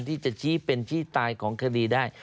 ที่จะชี้เป็นที่ตายของคดีได้